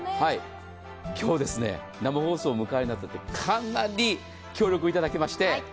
今日生放送を迎えてかなり協力をいただきました。